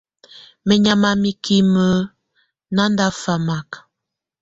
Menyama mikime nándafamak.